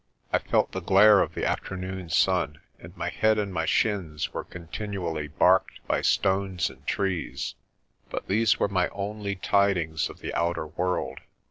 I felt the glare of the afternoon sun and my head and my shins were contin ually barked by stones and trees ; but these were my only tid ings of the outer world.